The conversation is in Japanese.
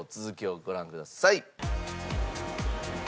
続きをご覧ください。